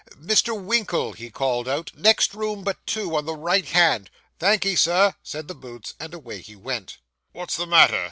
Mr. Winkle,' he called out, 'next room but two, on the right hand.' 'Thank'ee, sir,' said the Boots, and away he went. 'What's the matter?